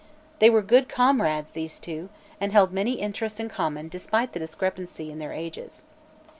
They were good comrades, these two, and held many interests in common despite the discrepancy in their ages.